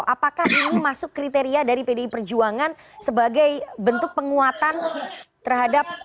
apakah ini masuk kriteria dari pdi perjuangan sebagai bentuk penguatan terhadap